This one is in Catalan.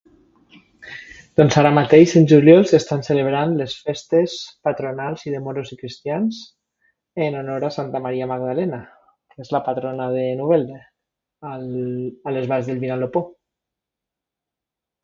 Doncs ara mateix en juliol s'estan celebrant les festes patronals i de moros i cristians en honor a Santa Maria Magdalena, que és la patrona de Novelda, al a les valls del Vinalopó.